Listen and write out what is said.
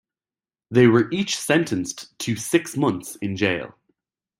They were each sentenced to six months in jail.